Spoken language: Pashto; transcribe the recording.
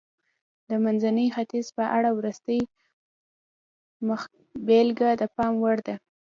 د منځني ختیځ په اړه وروستۍ مخبېلګه د پام وړ ده.